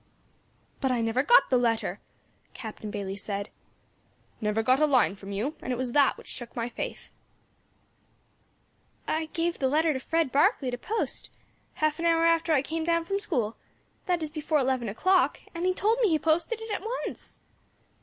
"But I never got the letter," Captain Bayley said, "never got a line from you, and it was that which shook my faith." "I gave the letter to Fred Barkley to post, half an hour after I came down from school, that is before eleven o'clock, and he told me he posted it at once."